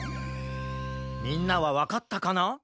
みんなはわかったかな？